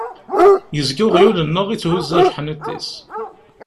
Yezga uɣyul-nneɣ itthuzzu ajeḥniḍ-is.